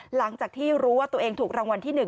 หลังจากที่รู้ว่าตัวเองถูกรางวัลที่๑